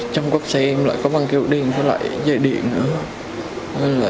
trong bọc xe em lại có băng kéo điện có lại dây điện nữa